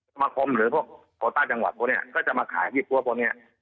สมาคมหรือพวกโคต้าจังหวัดพวกเนี้ยก็จะมาขายยี่ปั้วพวกเนี้ย